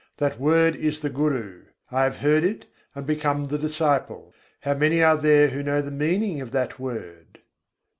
That word is the Guru; I have heard it, and become the disciple. How many are there who know the meaning of that word?